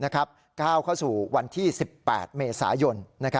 ก้าวเข้าสู่วันที่๑๘เมษายน